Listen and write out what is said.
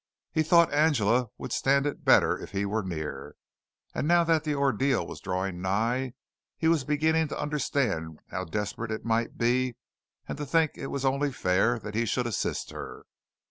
He thought Angela would stand it better if he were near, and now that the ordeal was drawing nigh, he was beginning to understand how desperate it might be and to think it was only fair that he should assist her.